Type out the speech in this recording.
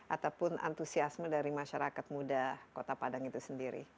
ataupun antusiasme dari masyarakat muda kota padang itu sendiri